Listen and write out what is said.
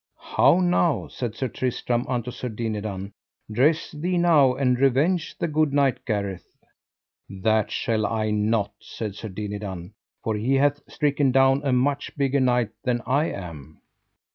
How now, said Sir Tristram unto Sir Dinadan, dress thee now and revenge the good knight Gareth. That shall I not, said Sir Dinadan, for he hath stricken down a much bigger knight than I am.